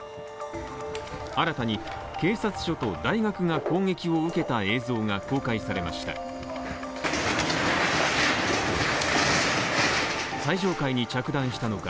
新たに警察署と大学が攻撃を受けた映像が公開されました。